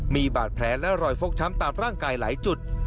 มีบาดแผลและรอยฟกช้ำตามร่างกายหลายจุด